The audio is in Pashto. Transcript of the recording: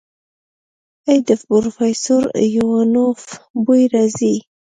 ای د پروفيسر ايوانوف بوئ راځي.